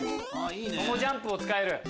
そのジャンプを使える！